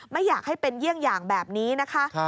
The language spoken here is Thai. ไม่อยากให้เป็นเยี่ยงอย่างแบบนี้นะคะ